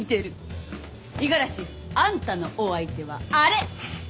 五十嵐あんたのお相手はあれ。